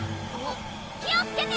気をつけて！